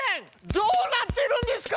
どうなってるんですか！？